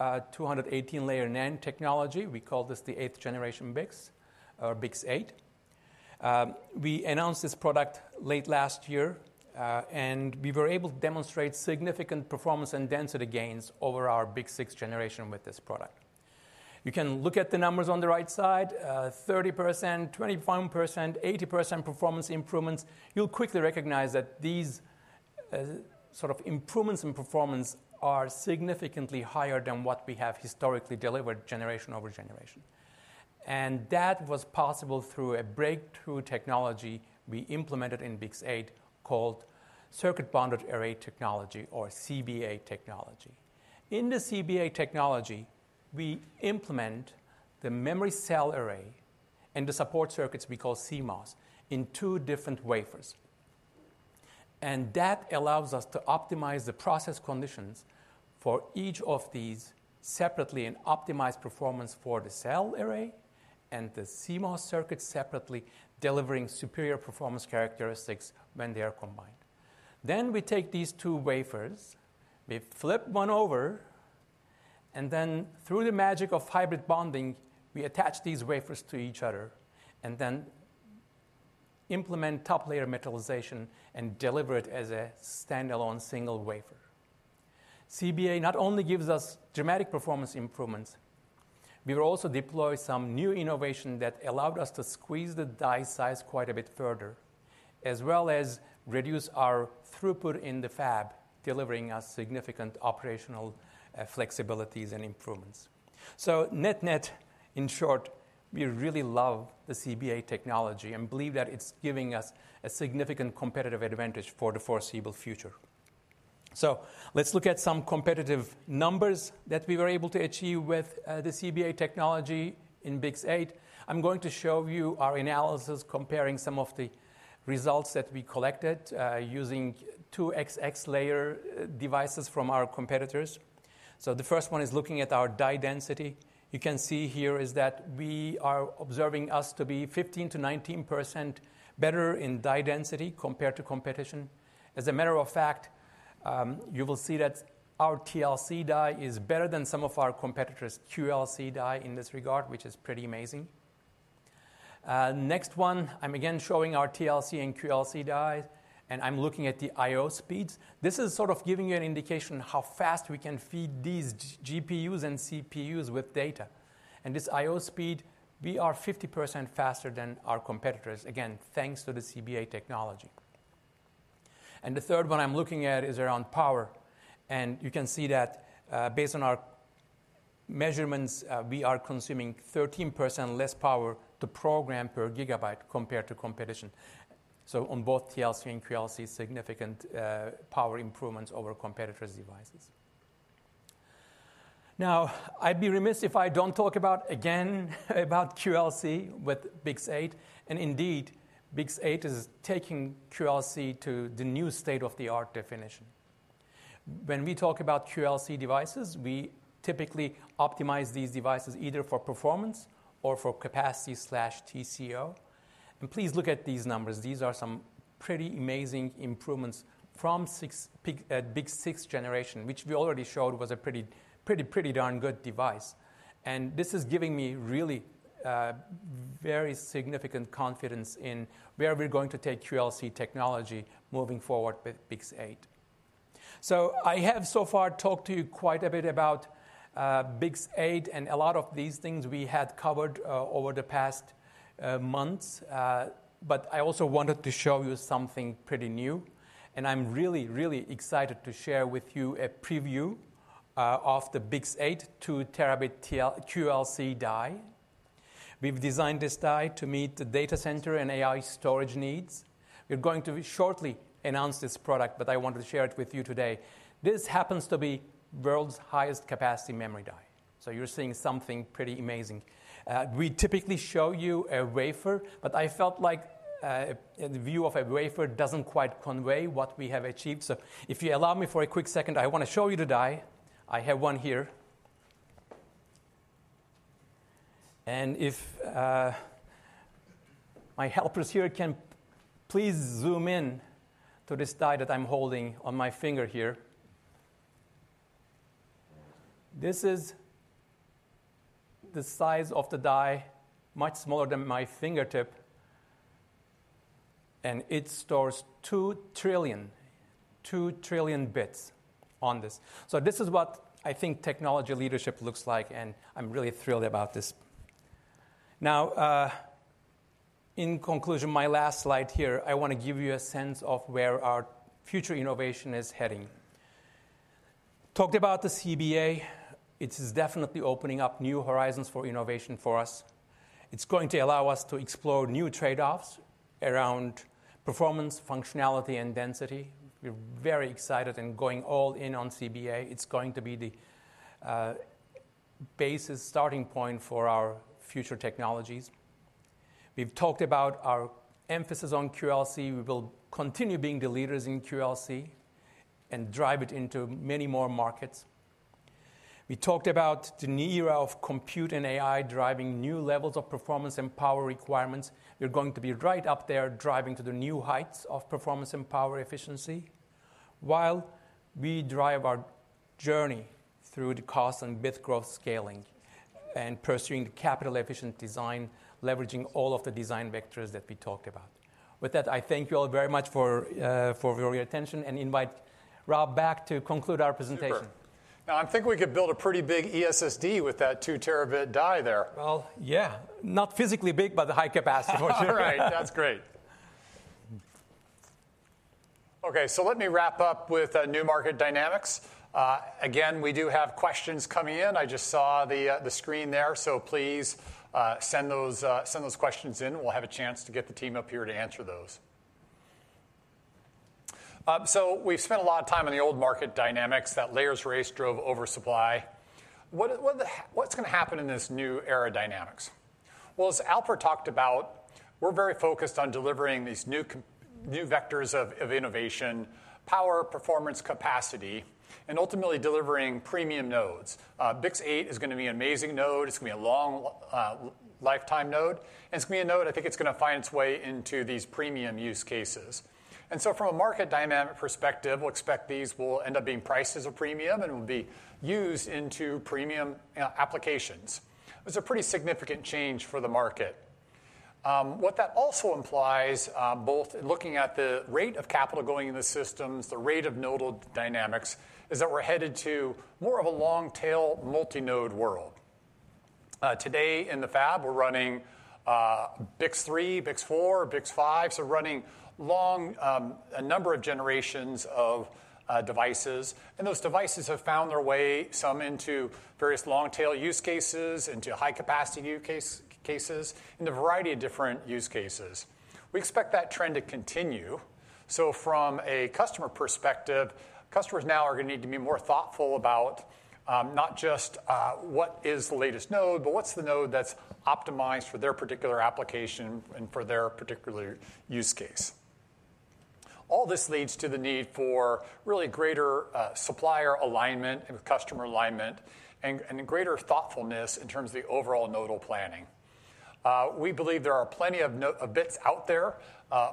BiCS, 218-layer NAND technology. We call this the eighth generation BiCS or BiCS8. We announced this product late last year, and we were able to demonstrate significant performance and density gains over our BiCS6 generation with this product. You can look at the numbers on the right side, 30%, 21%, 80% performance improvements. You'll quickly recognize that these sort of improvements in performance are significantly higher than what we have historically delivered generation over generation. And that was possible through a breakthrough technology we implemented in BiCS8, called CMOS Bonded Array technology or CBA technology. In the CBA technology, we implement the memory cell array and the support circuits, we call CMOS, in two different wafers. And that allows us to optimize the process conditions for each of these separately and optimize performance for the cell array and the CMOS circuit separately, delivering superior performance characteristics when they are combined. Then we take these two wafers, we flip one over, and then through the magic of hybrid bonding, we attach these wafers to each other and then implement top layer metallization and deliver it as a standalone single wafer. CBA not only gives us dramatic performance improvements, we will also deploy some new innovation that allowed us to squeeze the die size quite a bit further, as well as reduce our throughput in the fab, delivering us significant operational flexibilities and improvements. So net-net, in short, we really love the CBA technology and believe that it's giving us a significant competitive advantage for the foreseeable future. So let's look at some competitive numbers that we were able to achieve with the CBA technology in BiCS8. I'm going to show you our analysis comparing some of the results that we collected using 2xx-layer devices from our competitors. So the first one is looking at our die density. You can see here is that we are observing us to be 15%-19% better in die density compared to competition. As a matter of fact, you will see that our TLC die is better than some of our competitors' QLC die in this regard, which is pretty amazing. Next one, I'm again showing our TLC and QLC die, and I'm looking at the I/O speeds. This is sort of giving you an indication how fast we can feed these GPUs and CPUs with data. And this I/O speed, we are 50% faster than our competitors. Again, thanks to the CBA technology. And the third one I'm looking at is around power, and you can see that, based on our measurements, we are consuming 13% less power to program per gigabyte compared to competition. So on both TLC and QLC, significant power improvements over competitors' devices. Now, I'd be remiss if I don't talk about, again, about QLC with BiCS8, and indeed, BiCS8 is taking QLC to the new state-of-the-art definition. When we talk about QLC devices, we typically optimize these devices either for performance or for capacity/TCO. Please look at these numbers. These are some pretty amazing improvements from BiCS6, BiCS6, which we already showed was a pretty, pretty, pretty darn good device. This is giving me really very significant confidence in where we're going to take QLC technology moving forward with BiCS8. So I have so far talked to you quite a bit about BiCS8, and a lot of these things we had covered over the past months. But I also wanted to show you something pretty new, and I'm really, really excited to share with you a preview of the BiCS8 2-terabit QLC die. We've designed this die to meet the data center and AI storage needs. We're going to shortly announce this product, but I wanted to share it with you today. This happens to be world's highest capacity memory die, so you're seeing something pretty amazing. We typically show you a wafer, but I felt like the view of a wafer doesn't quite convey what we have achieved. So if you allow me for a quick second, I want to show you the die. I have one here. And if my helpers here can please zoom in to this die that I'm holding on my finger here. This is the size of the die, much smaller than my fingertip, and it stores 2Tb, 2Tb on this. So this is what I think technology leadership looks like, and I'm really thrilled about this. Now, in conclusion, my last slide here, I want to give you a sense of where our future innovation is heading. Talked about the CBA. It is definitely opening up new horizons for innovation for us. It's going to allow us to explore new trade-offs around performance, functionality, and density. We're very excited and going all in on CBA. It's going to be the basis starting point for our future technologies. We've talked about our emphasis on QLC. We will continue being the leaders in QLC and drive it into many more markets. We talked about the new era of compute and AI driving new levels of performance and power requirements. We're going to be right up there, driving to the new heights of performance and power efficiency, while we drive our journey through the cost and bit growth scaling and pursuing capital efficient design, leveraging all of the design vectors that we talked about. With that, I thank you all very much for your attention, and invite Rob back to conclude our presentation. Super. Now, I think we could build a pretty big eSSD with that 2Tb die there. Well, yeah, not physically big, but high capacity. All right, that's great. Okay, so let me wrap up with new market dynamics. Again, we do have questions coming in. I just saw the screen there, so please send those questions in. We'll have a chance to get the team up here to answer those. So we've spent a lot of time on the old market dynamics, the layers race drove oversupply. What's going to happen in this new era dynamics? Well, as Alper talked about, we're very focused on delivering these new vectors of innovation, power, performance, capacity, and ultimately delivering premium nodes. BiCS8 is going to be an amazing node. It's going to be a long lifetime node, and it's going to be a node, I think it's going to find its way into these premium use cases. From a market dynamic perspective, we'll expect these will end up being priced at a premium and will be used in premium applications. It's a pretty significant change for the market. What that also implies, both looking at the rate of capital going in the systems, the rate of nodal dynamics, is that we're headed to more of a long-tail, multi-node world. Today in the fab, we're running BiCS3, BiCS4, BiCS5, so running long a number of generations of devices. And those devices have found their way, some into various long-tail use cases, into high-capacity use cases, into a variety of different use cases. We expect that trend to continue. So from a customer perspective, customers now are going to need to be more thoughtful about, not just, what is the latest node, but what's the node that's optimized for their particular application and for their particular use case. All this leads to the need for really greater supplier alignment and customer alignment and greater thoughtfulness in terms of the overall nodal planning. We believe there are plenty of bits out there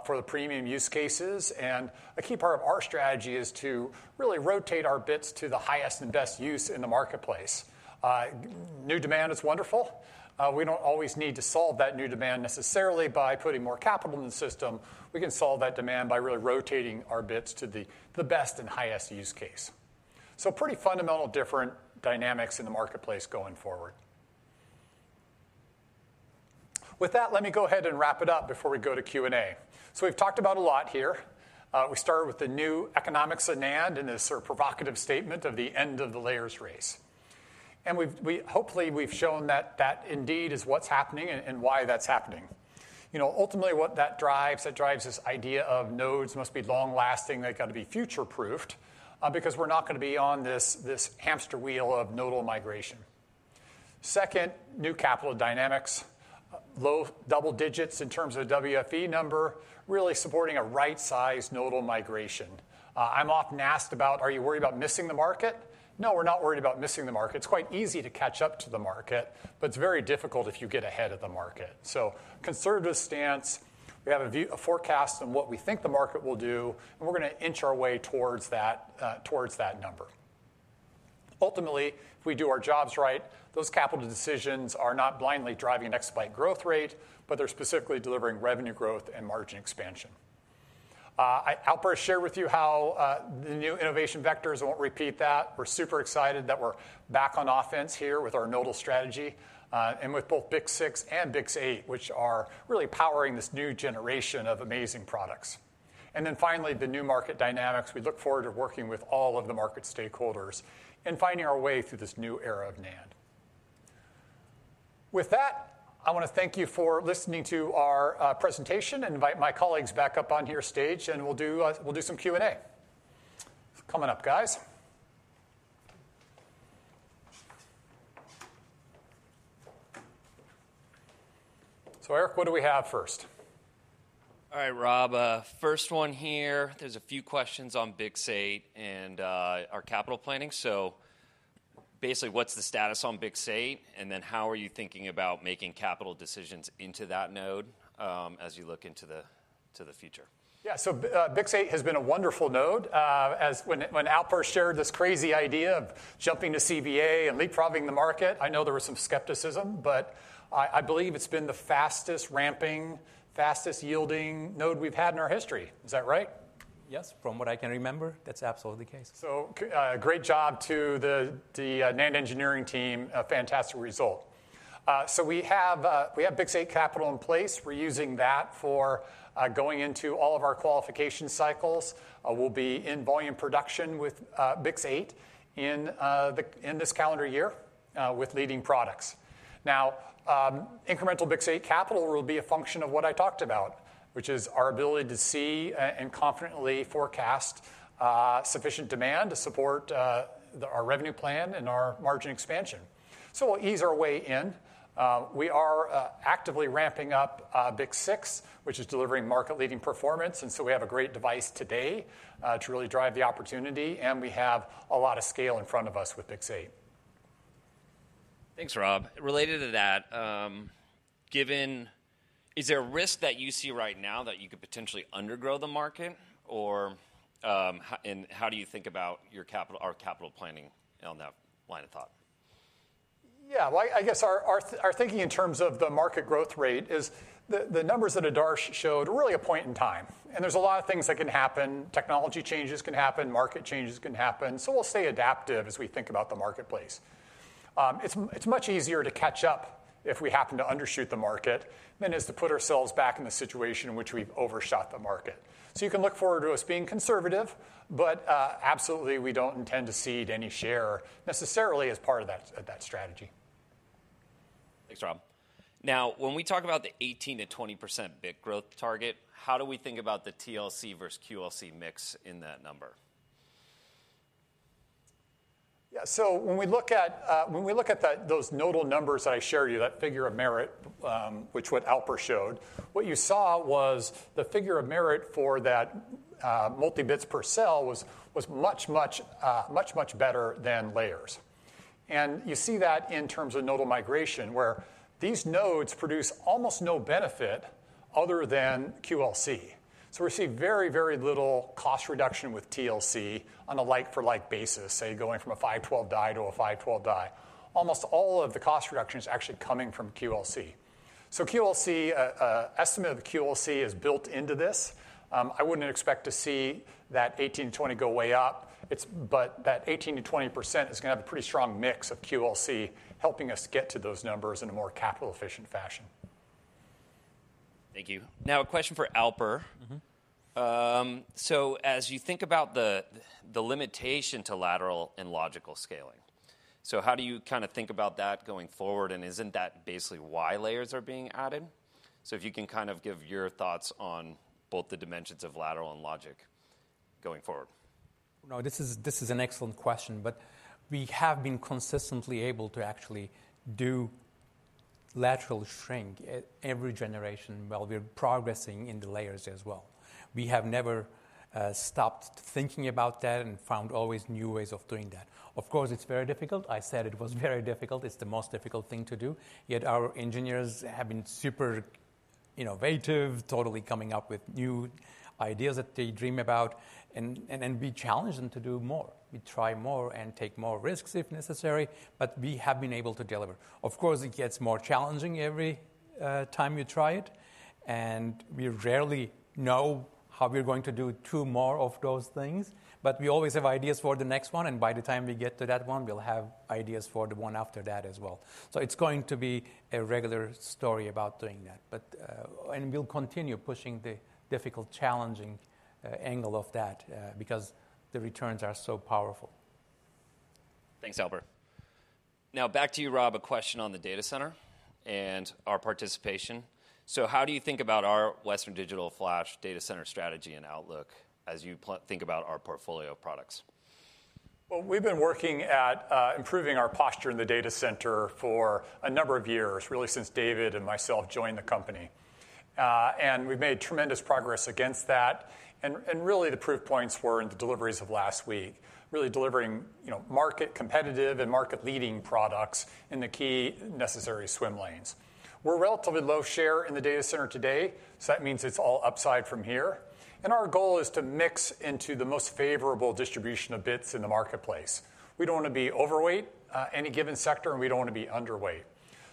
for the premium use cases, and a key part of our strategy is to really rotate our bits to the highest and best use in the marketplace. New demand is wonderful. We don't always need to solve that new demand necessarily by putting more capital in the system. We can solve that demand by really rotating our bits to the best and highest use case. So pretty fundamental different dynamics in the marketplace going forward. With that, let me go ahead and wrap it up before we go to Q&A. So we've talked about a lot here. We started with the new economics of NAND and this sort of provocative statement of the end of the layers race. And we've hopefully shown that that indeed is what's happening and why that's happening. You know, ultimately, what that drives, that drives this idea of nodes must be long-lasting. They've got to be future-proofed, because we're not going to be on this hamster wheel of nodal migration. Second, new capital dynamics, low double digits in terms of WFE number, really supporting a right-sized nodal migration. I'm often asked about: Are you worried about missing the market? No, we're not worried about missing the market. It's quite easy to catch up to the market, but it's very difficult if you get ahead of the market. So conservative stance, we have a view, a forecast on what we think the market will do, and we're going to inch our way towards that, towards that number.... Ultimately, if we do our jobs right, those capital decisions are not blindly driving an exabyte growth rate, but they're specifically delivering revenue growth and margin expansion. Alper shared with you how, the new innovation vectors, I won't repeat that. We're super excited that we're back on offense here with our nodal strategy, and with both BiCS6 and BiCS8, which are really powering this new generation of amazing products. And then finally, the new market dynamics. We look forward to working with all of the market stakeholders and finding our way through this new era of NAND. With that, I want to thank you for listening to our presentation, and invite my colleagues back up on the stage, and we'll do some Q&A. Come on up, guys. So, Eric, what do we have first? All right, Rob, first one here, there's a few questions on BiCS8 and our capital planning. So basically, what's the status on BiCS8? And then how are you thinking about making capital decisions into that node, as you look to the future? Yeah. So, BiCS8 has been a wonderful node. As when Alper shared this crazy idea of jumping to CBA and leapfrogging the market, I know there was some skepticism, but I believe it's been the fastest ramping, fastest yielding node we've had in our history. Is that right? Yes, from what I can remember, that's absolutely the case. So, great job to the NAND engineering team, a fantastic result. So we have BiCS8 capital in place. We're using that for going into all of our qualification cycles, will be in volume production with BiCS8 in this calendar year with leading products. Now, incremental BiCS8 capital will be a function of what I talked about, which is our ability to see and confidently forecast sufficient demand to support our revenue plan and our margin expansion. So we'll ease our way in. We are actively ramping up BiCS6, which is delivering market-leading performance, and so we have a great device today to really drive the opportunity, and we have a lot of scale in front of us with BiCS8. Thanks, Rob. Related to that, is there a risk that you see right now that you could potentially undergrow the market? Or, and how do you think about your capital, our capital planning on that line of thought? Yeah, well, I guess our thinking in terms of the market growth rate is the numbers that Aadharsh showed are really a point in time, and there's a lot of things that can happen, technology changes can happen, market changes can happen, so we'll stay adaptive as we think about the marketplace. It's much easier to catch up if we happen to undershoot the market than it is to put ourselves back in the situation in which we've overshot the market. So you can look forward to us being conservative, but absolutely, we don't intend to cede any share necessarily as part of that strategy. Thanks, Rob. Now, when we talk about the 18%-20% bit growth target, how do we think about the TLC versus QLC mix in that number? Yeah. So when we look at, when we look at those nodal numbers I showed you, that figure of merit, which what Alper showed, what you saw was the figure of merit for that, multi-bits per cell was, was much, much, much, much better than layers. And you see that in terms of nodal migration, where these nodes produce almost no benefit other than QLC. So we're seeing very, very little cost reduction with TLC on a like-for-like basis, say, going from a 512Gb die to a 512Gb die. Almost all of the cost reduction is actually coming from QLC. So QLC, estimate of the QLC is built into this. I wouldn't expect to see that 18-20 go way up. But that 18%-20% is gonna have a pretty strong mix of QLC, helping us get to those numbers in a more capital-efficient fashion. Thank you. Now, a question for Alper. Mm-hmm. So as you think about the limitation to lateral and logical scaling, so how do you kind of think about that going forward? And isn't that basically why layers are being added? So if you can kind of give your thoughts on both the dimensions of lateral and logic going forward. No, this is an excellent question, but we have been consistently able to actually do lateral shrink at every generation while we're progressing in the layers as well. We have never stopped thinking about that and found always new ways of doing that. Of course, it's very difficult. I said it was very difficult. It's the most difficult thing to do, yet our engineers have been super innovative, totally coming up with new ideas that they dream about, and we challenge them to do more. We try more and take more risks if necessary, but we have been able to deliver. Of course, it gets more challenging every time we try it, and we rarely know how we're going to do two more of those things, but we always have ideas for the next one, and by the time we get to that one, we'll have ideas for the one after that as well. So it's going to be a regular story about doing that, but... and we'll continue pushing the difficult, challenging angle of that, because the returns are so powerful. Thanks, Alper. Now back to you, Rob, a question on the data center and our participation. So how do you think about our Western Digital Flash data center strategy and outlook as you think about our portfolio of products? Well, we've been working at improving our posture in the data center for a number of years, really, since David and myself joined the company. We've made tremendous progress against that. And really, the proof points were in the deliveries of last week, really delivering, you know, market competitive and market-leading products in the key necessary swim lanes. We're relatively low share in the data center today, so that means it's all upside from here, and our goal is to mix into the most favorable distribution of bits in the marketplace. We don't want to be overweight any given sector, and we don't want to be underweight.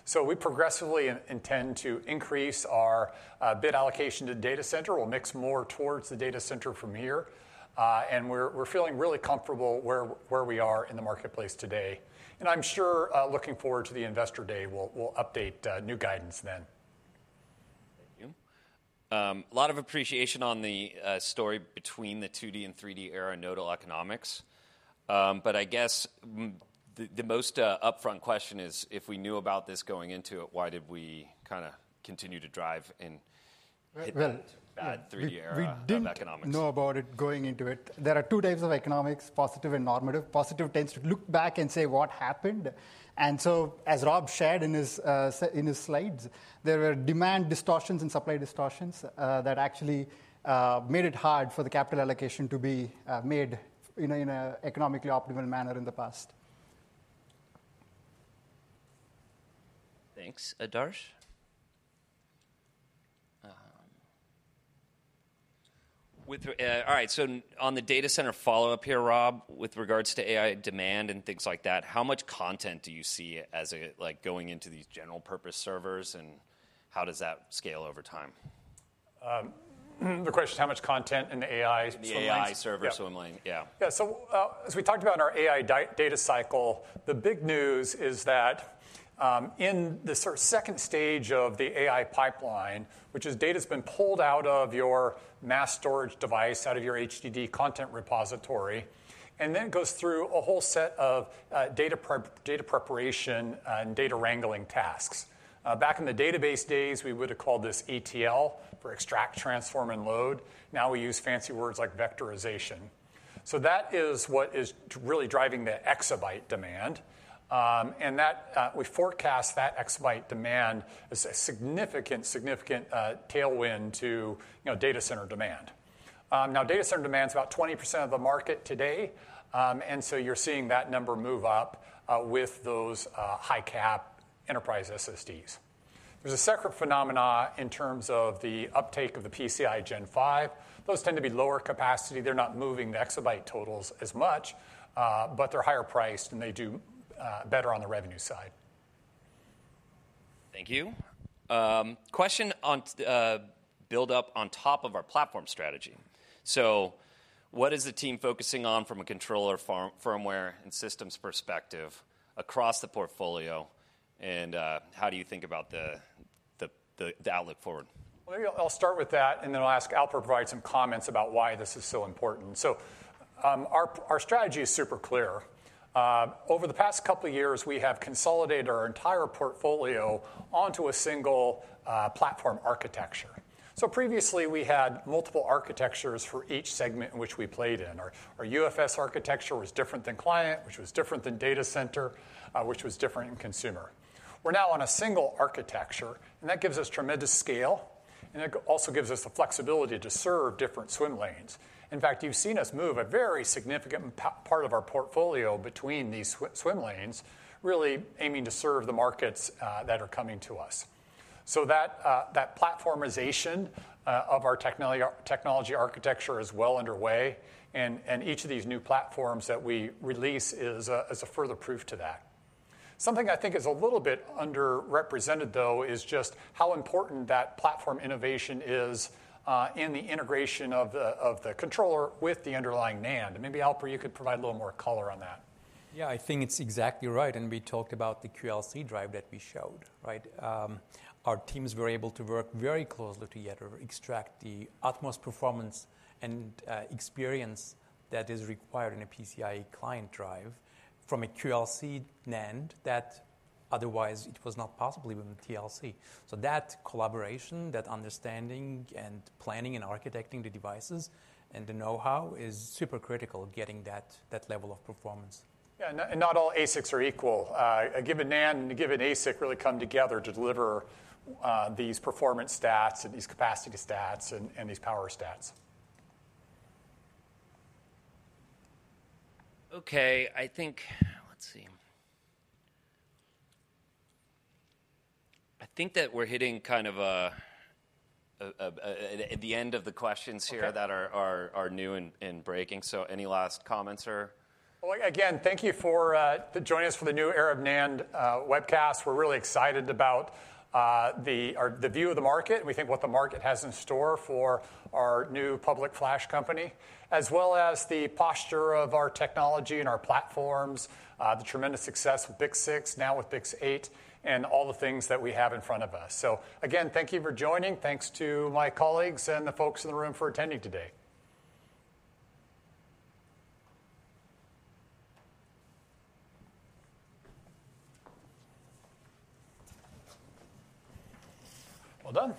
So we progressively intend to increase our bit allocation to data center. We'll mix more towards the data center from here, and we're feeling really comfortable where we are in the marketplace today. I'm sure, looking forward to the Investor Day, we'll update new guidance then. Thank you. A lot of appreciation on the story between the 2D and 3D era nodal economics. But I guess the most upfront question is, if we knew about this going into it, why did we kinda continue to drive in- Well, well- hit that bad 3D era of economics? We didn't know about it going into it. There are two types of economics, positive and normative. Positive tends to look back and say, what happened? And so, as Rob shared in his slides, there were demand distortions and supply distortions that actually made it hard for the capital allocation to be made in a economically optimal manner in the past. Thanks. Aadharsh? All right, so on the data center follow-up here, Rob, with regards to AI demand and things like that, how much content do you see as, like, going into these general purpose servers, and how does that scale over time? The question, how much content in the AI swim lanes? The AI server swim lane. Yeah. Yeah. Yeah. So, as we talked about in our AI Data Cycle, the big news is that, in the sort of second stage of the AI pipeline, which is data's been pulled out of your mass storage device, out of your HDD content repository, and then goes through a whole set of, data preparation and data wrangling tasks. Back in the database days, we would have called this ETL, for extract, transform, and load. Now, we use fancy words like vectorization. So that is what is really driving the exabyte demand. And that, we forecast that exabyte demand as a significant, significant, tailwind to, you know, data center demand. Now, data center demand is about 20% of the market today, and so you're seeing that number move up, with those, high-cap enterprise SSDs. There's a separate phenomenon in terms of the uptake of the PCIe Gen 5. Those tend to be lower capacity. They're not moving the exabyte totals as much, but they're higher priced, and they do better on the revenue side. Thank you. Question on build up on top of our platform strategy. So what is the team focusing on from a controller firmware and systems perspective across the portfolio, and how do you think about the outlook forward? Well, maybe I'll start with that, and then I'll ask Alper to provide some comments about why this is so important. So, our strategy is super clear. Over the past couple of years, we have consolidated our entire portfolio onto a single platform architecture. So previously, we had multiple architectures for each segment in which we played in. Our UFS architecture was different than client, which was different than data center, which was different in consumer. We're now on a single architecture, and that gives us tremendous scale, and it also gives us the flexibility to serve different swim lanes. In fact, you've seen us move a very significant part of our portfolio between these swim lanes, really aiming to serve the markets that are coming to us. So that that platformization of our technology architecture is well underway, and each of these new platforms that we release is a further proof to that. Something I think is a little bit underrepresented, though, is just how important that platform innovation is in the integration of the controller with the underlying NAND. And maybe, Alper, you could provide a little more color on that. Yeah, I think it's exactly right, and we talked about the QLC drive that we showed, right? Our teams were able to work very closely together to extract the utmost performance and experience that is required in a PCIe client drive from a QLC NAND, that otherwise it was not possible with TLC. So that collaboration, that understanding and planning and architecting the devices and the know-how is super critical getting that level of performance. Yeah, and not all ASICs are equal. A given NAND and a given ASIC really come together to deliver these performance stats and these capacity stats and these power stats. Okay, I think... Let's see. I think that we're hitting kind of at the end of the questions here. Okay... that are new and breaking. So any last comments or? Well, again, thank you for joining us for the New Era of NAND webcast. We're really excited about the view of the market, and we think what the market has in store for our new public flash company, as well as the posture of our technology and our platforms, the tremendous success with BiCS6, now with BiCS8, and all the things that we have in front of us. So again, thank you for joining. Thanks to my colleagues and the folks in the room for attending today. Well done!